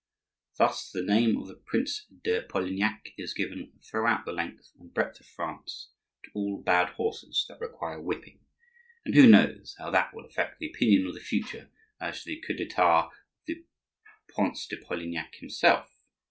Thus, the name of the Prince de Polignac is given throughout the length and breadth of France to all bad horses that require whipping; and who knows how that will affect the opinion of the future as to the coup d'Etat of the Prince de Polignac himself?